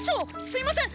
すいません！